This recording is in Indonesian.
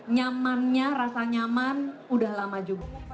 nyamannya rasa nyaman udah lama juga